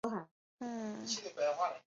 该片现今获得许多影评人将其列为之一。